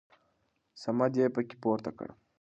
صمد يې په کې پورته کړ.